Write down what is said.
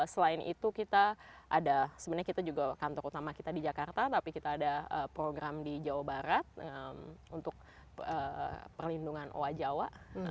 selain itu kita ada sebenarnya kita juga kantor utama kita di jakarta tapi kita ada program di jawa barat untuk perlindungan oa jawa